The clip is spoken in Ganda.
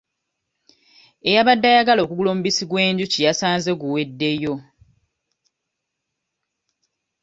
Eyabadde ayagala okugula omubisi gw'enjuki yasanze guweddeyo.